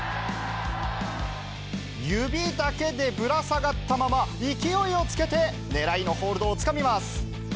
指だけでぶら下がったまま、勢いをつけて狙いのホールドをつかみます。